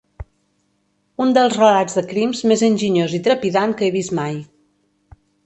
Un dels relats de crims més enginyós i trepidant que he vist mai.